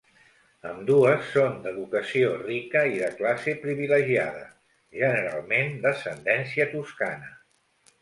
Ambdues són d'educació rica i de classe privilegiada, generalment d'ascendència toscana.